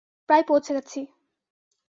প্রায় পৌছে গেছি।